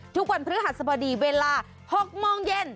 ทุกวันพฤหัสบดีเวลา๖โมงเย็น